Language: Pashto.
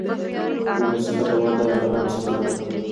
و مې زغلوله، را ومې زغلوله.